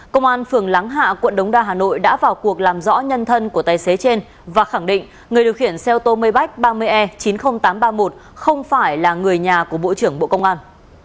công an phường lắng hạ quận đống đa hà nội đã vào cuộc làm rõ nhân thân của tài xế trên và khẳng định người điều khiển xe ô tô mây ba mươi e chín mươi nghìn tám trăm ba mươi một không phải là người nhà của bộ trưởng bộ công an